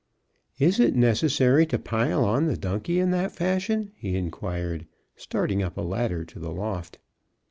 "Is it necessary to pile on the donkey in that fashion?" he inquired, starting up a ladder to the loft.